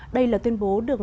đây là tuyên bố được